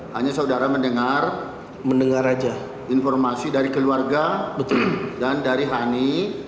hanya saudara mendengar informasi dari keluarga dan dari hani